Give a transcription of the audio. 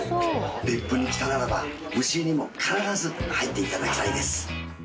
別府に来たならば蒸し湯にも必ず入って頂きたいです。